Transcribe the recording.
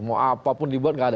mau apapun dibuat gak ada